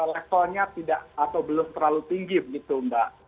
levelnya tidak atau belum terlalu tinggi begitu mbak